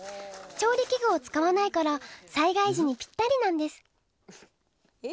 調理器具を使わないから災害時にピッタリなんです。え？